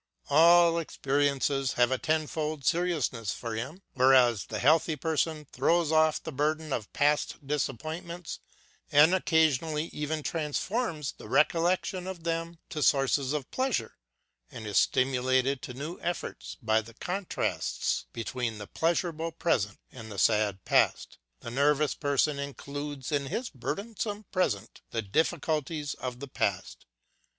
All experiences have a tenfold seriousness for him. Whereas the healthy person throws off the burden of past disappointments, and occasionally even transforms the recollection of them to sources of pleasure, and is stimulated to new efforts by the contrasts between the pleasureable present and the sad past, the nervous person includes in his burdensome present the difficulties of the past.